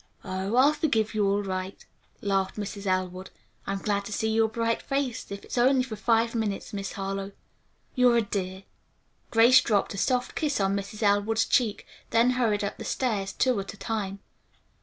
"Oh, I'll forgive you, all right," laughed Mrs. Elwood. "I'm glad to see your bright face, if it's only for five minutes, Miss Harlowe." "You're a dear." Grace dropped a soft kiss on Mrs. Elwood's cheek, then hurried up the stairs, two at a time.